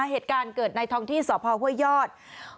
เหตุการณ์เกิดในท้องที่สพห้วยยอด